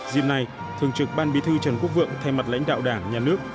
dịp này thường trực ban bí thư trần quốc vượng thay mặt lãnh đạo đảng nhà nước